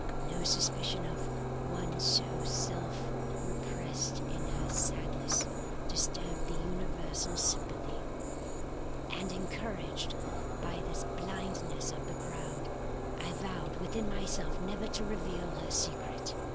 No suspicion of one so self repressed in her sadness disturbed the universal sympathy; and encouraged by this blindness of the crowd, I vowed within myself never to reveal her secret.